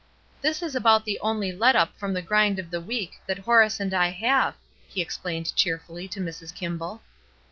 ''This is about the only let up from the grind of the week that Horace and I have," he explained cheerfully to Mrs. Kimball.